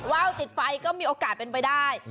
ว่าวติดไฟก็มีโอกาสเป็นไปได้